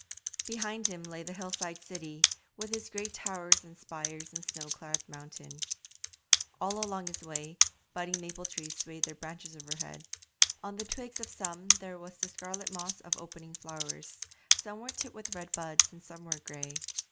Behind him lay the hill side city, with its grey towers and spires and snow clad mountain. All along his way budding maple trees swayed their branches overhead; on the twigs of some there was the scarlet moss of opening flowers, some were tipped with red buds and some were grey.